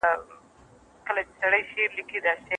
که نظر وا نه ورئ نو ستونزي نه حليږي.